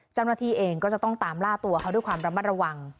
เจ้าหน้าที่เองก็จะต้องตามล่าตัวเขาด้วยความระมัดระวัง